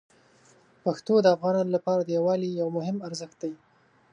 پښتو د افغانانو لپاره د یووالي یو مهم ارزښت دی.